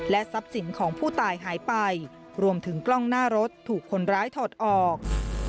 ทรัพย์สินของผู้ตายหายไปรวมถึงกล้องหน้ารถถูกคนร้ายถอดออก